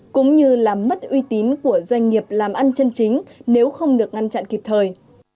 cũng như làm mất uy tín của doanh nghiệp làm ăn chân chính nếu không được ngăn chặn kịp thời